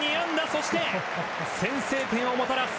そして先制点をもたらす。